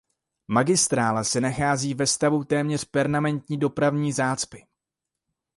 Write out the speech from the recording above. Magistrála se nachází ve stavu téměř permanentní dopravní zácpy.